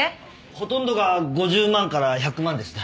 ほとんどが５０万から１００万ですね。